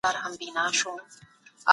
تاسي تل د خپلي روغتیا لپاره هڅه کوئ.